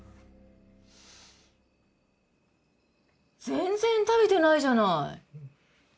全然食べてないじゃない。